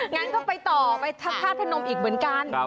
งั้นก็ไปต่อไปธาตุพนมอีกเหมือนกัน